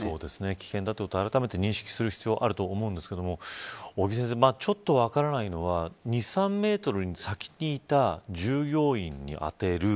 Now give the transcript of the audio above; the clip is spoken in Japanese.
危険だと、あらためて認識する必要があると思うんですけど尾木先生、ちょっと分からないのは２、３メートル先にいた従業員に当てる。